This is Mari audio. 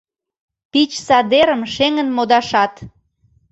Пич садерым шеҥын модашат.